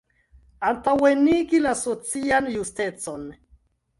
Antaŭenigi la socian justecon.